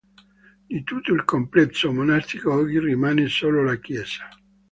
Di tutto il complesso monastico oggi rimane solo la chiesa.